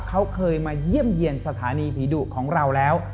เขาเคยมาเยี่ยมเยี่ยมสถานีผีดุของเราแล้ว